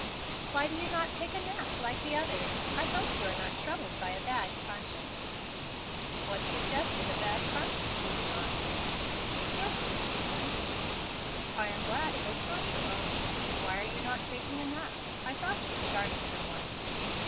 "Why do you not take a nap like the others? I hope you are not troubled by a bad conscience." "What suggested a bad conscience, Miss Marsden?" "Your sleeplessness." "I am glad it was not your own. Why are you not taking a nap? I thought you started for one."